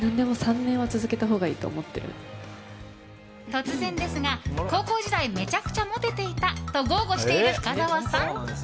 突然ですが、高校時代めちゃくちゃモテていたと豪語している深澤さん。